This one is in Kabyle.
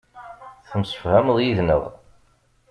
Temsefhameḍ yid-neɣ.